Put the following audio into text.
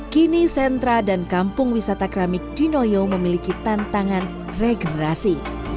kini sentra dan kampung wisata keramik di noyo memiliki tantangan regenerasi